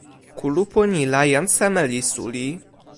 kulupu ni la jan seme li suli?